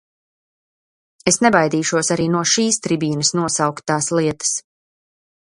Es nebaidīšos arī no šīs tribīnes nosaukt tās lietas.